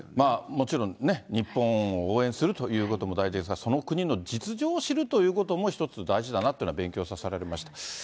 もちろんね、日本を応援するということも大事ですが、その国の実情を知るということも、一つ、大事だなっていうのを勉強させられました。